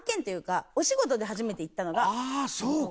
あそうか。